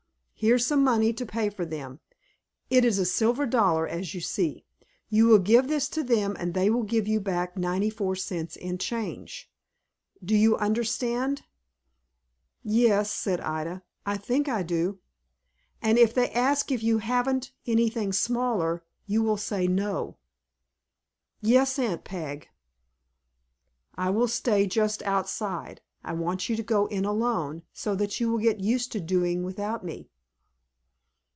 Here's some money to pay for them. It is a silver dollar, as you see. You will give this to them, and they will give you back ninety four cents in change. Do you understand'?" "Yes," said Ida; "I think I do." "And if they ask if you haven't anything smaller, you will say no." "Yes, Aunt Peg." "I will stay just outside. I want you to go in alone, so that you will get used to doing without me."